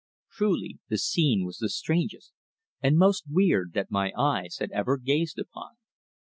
Truly, the scene was the strangest and most weird that my eyes had ever gazed upon.